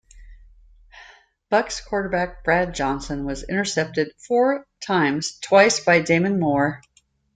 Bucs quarterback Brad Johnson was intercepted four times, twice by Damon Moore.